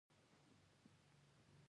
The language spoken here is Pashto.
نن هم د دیندارانو کړنې د تاریخ تکرار کوي.